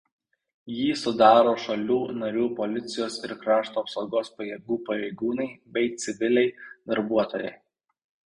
Jį sudaro šalių narių policijos ir krašto apsaugos pajėgų pareigūnai bei civiliai darbuotojai.